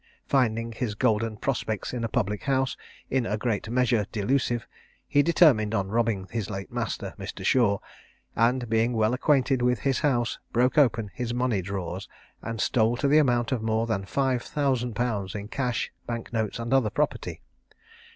Finding his golden prospects in a public house, in a great measure, delusive, he determined on robbing his late master, Mr. Shaw; and, being well acquainted with his house, broke open his money drawers, and stole to the amount of more than five thousand pounds in cash, bank notes, and other property.